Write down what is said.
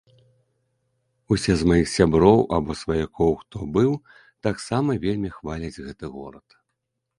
Усе з маіх сяброў або сваякоў, хто быў, таксама вельмі хваляць гэты горад.